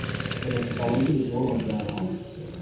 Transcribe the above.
Perezida Wungirije w Umuryango